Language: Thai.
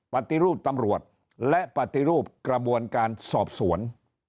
ปฏิรูปตำรวจและปฏิรูปกระบวนการสอบสวน